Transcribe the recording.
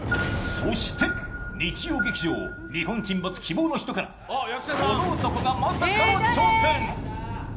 そして、日曜劇場、「日本沈没−希望のひと−」からこの男がまさかの挑戦。